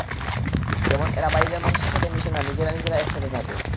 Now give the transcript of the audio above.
যেমন, এরা বাইরের মানুষের সাথে মিশে না, নিজেরা নিজেরা একসাথে থাকে।